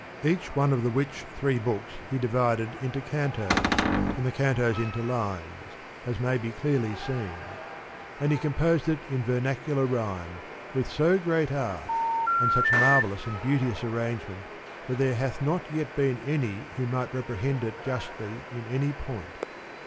Each one of the which three books he divided into cantos, and the cantos into lines, as may be clearly 84 seen. And he composed it in vernacular rhyme, with so great art, and such marvellous and beauteous arrange ment, that there hath not yet been any who might reprehend it justly in any point.